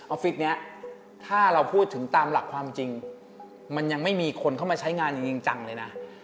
ฟิศนี้ถ้าเราพูดถึงตามหลักความจริงมันยังไม่มีคนเข้ามาใช้งานจริงจังเลยนะ